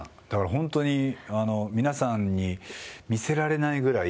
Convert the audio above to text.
本当に皆さんに見せられないぐらい